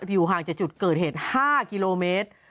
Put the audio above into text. อยู่ห่างจากจุดเกิดเหตุ๕กิโลเมตร